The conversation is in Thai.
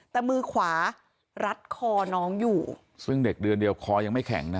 แต่มือขวารัดคอน้องอยู่ซึ่งเด็กเดือนเดียวคอยังไม่แข็งนะ